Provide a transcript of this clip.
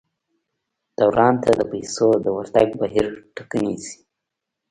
دوران ته د پیسو د ورتګ بهیر ټکنی شي.